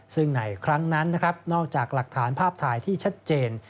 ซึ่งในครั้งนั้นนะครับนอกจากหลักฐานภาพถ่ายที่ชัดเจน